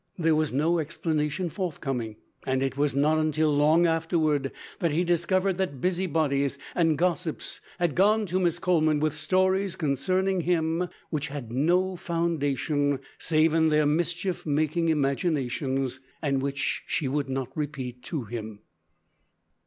There was no explanation forthcoming, and it was not until long afterward that he discovered that busy bodies and gossips had gone to Miss Coleman with stories concerning him which had no foundation save in their mischief making imaginations, and which she would not repeat to him.